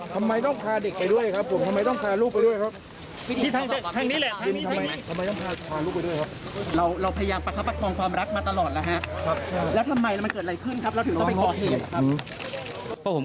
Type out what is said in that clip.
ทำไมต้องพาเด็กไปด้วยครับผมทำไมต้องพาลูกไปด้วยครับ